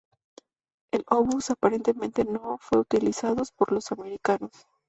El obús aparentemente no fue utilizados por los americanos.